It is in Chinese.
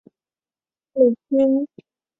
美军也拒绝远离海参崴。